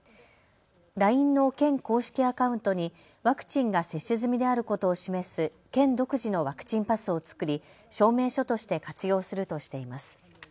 ＬＩＮＥの県公式アカウントにワクチンが接種済みであることを示す県独自のワクチンパスを作り証明書として活用するとしています。